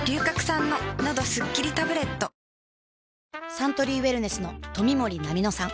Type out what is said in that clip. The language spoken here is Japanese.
サントリーウエルネスの冨森菜美乃さん